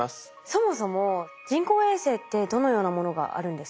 そもそも人工衛星ってどのようなものがあるんですか？